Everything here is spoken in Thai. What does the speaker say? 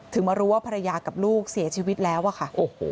มารู้ว่าภรรยากับลูกเสียชีวิตแล้วอะค่ะ